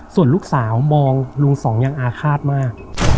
ส่วนลูกสาวมองลุงสองยังอาฆาตมาก